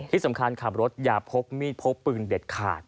ที่สำคัญขับรถอย่าพกมีดพกปืนเด็ดขาด